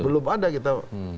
belum ada kita